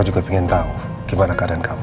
aku juga pengen tahu gimana keadaan kamu